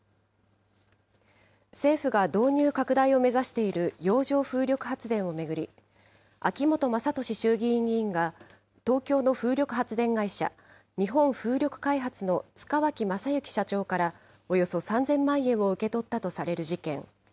政府が導入拡大を目指している洋上風力発電を巡り、秋本真利衆議院議員が東京の風力発電会社、日本風力開発の塚脇正幸社長から、およそ３０００万円を受け取ったとされる事件。